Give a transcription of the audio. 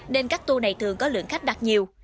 nên các tour này thường có lượng khách đặt nhiều